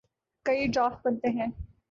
کئی ڈرافٹ بنتے ہیں۔